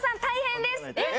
えっ！